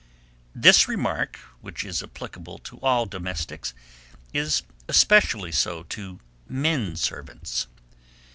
This remark, which is applicable to all domestics, is especially so to men servants.